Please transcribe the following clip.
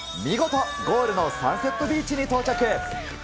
見事、ゴールのサンセットビーチに到着。